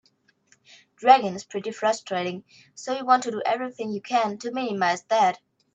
Dragon is pretty frustrating, so you want to do everything you can to minimize that.